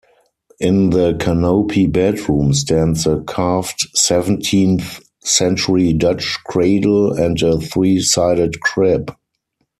In the canopy bedroom stands a carved seventeenth-century Dutch cradle and a three-sided crib.